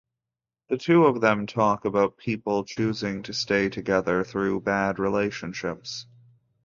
The two of them talk about people choosing to stay together through bad relationships.